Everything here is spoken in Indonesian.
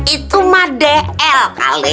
itu mah dl kali